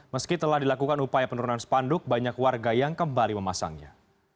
meski telah dilakukan upaya penurunan spanduk banyak warga yang kembali memasangnya